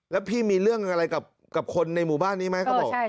แล้วพี่มีเรื่องอะไรกับคนในหมู่บ้านนี้ไหมเขาบอก